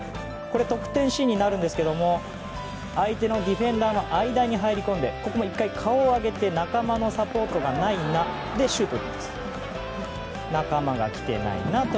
これ、得点シーンになるんですが相手のディフェンダーの間に入り込んでここも１回顔を上げて仲間のサポートがないなで、シュートを打っています。